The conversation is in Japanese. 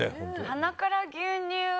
鼻から牛乳